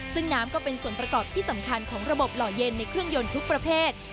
ซึ่งน้ำก็เป็นส่วนประกอบที่สำคัญของระบบหล่อเย็นในเครื่องยนต์ทุกประเภท